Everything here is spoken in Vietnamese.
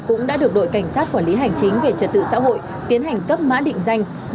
cũng đã được đội cảnh sát quản lý hành chính về trật tự xã hội tiến hành cấp mã định danh